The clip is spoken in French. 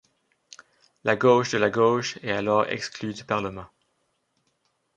La gauche de la gauche est alors exclue du parlement.